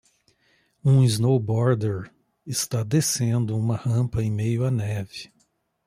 Um snowboarder está descendo uma rampa em meio a neve.